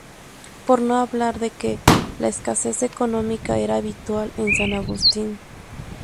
Por no hablar de que la escasez económica eran habitual en San Agustín.